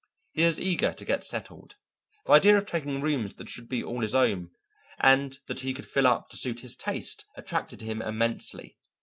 He was eager to get settled. The idea of taking rooms that should be all his own and that he could fit up to suit his taste attracted him immensely.